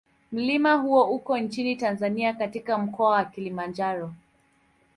Mlima huo uko nchini Tanzania katika Mkoa wa Kilimanjaro.